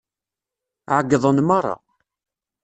Ɛeyyḍen meṛṛa.